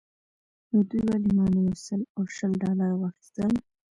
نو دوی ولې مانه یو سل او شل ډالره واخیستل.